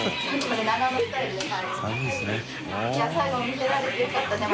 埜見せられてよかったね。